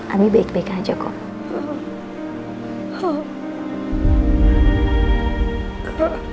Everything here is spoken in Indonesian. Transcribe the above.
ami baik baik aja kok